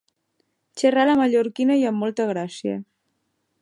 Xerrar a la mallorquina i amb molta gràcia.